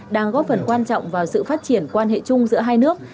đang góp phần quan trọng vào sự phát triển quan hệ chung giữa hai nước